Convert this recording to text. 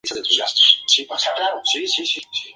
Puede vivir en cualquier lugar entre dos y ocho años de edad.